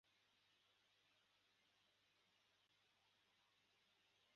iyo wirengagije ko umukobwa yaguhakaniye